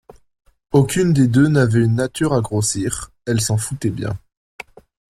Aucune des deux n’avait une nature à grossir. Elles s’en foutaient bien.